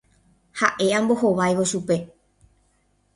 Ha'e ambohováivo chupe.